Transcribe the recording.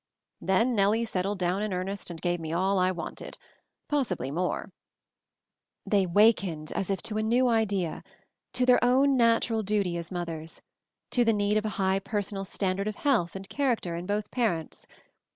Then Nellie settled down in earnest and gave me all I wanted — possibly more. / "They wakened as if to a new idea, to their / own natural duty as mothers ; to the need of a high personal standard of health and character in both parents.